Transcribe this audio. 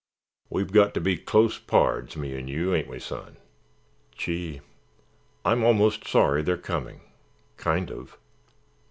We've got ter be close pards, me an' you, hain't we, son?" "Gee, I'm almost sorry they're coming—kind of."